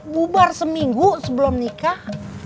bubar seminggu sebelum nikah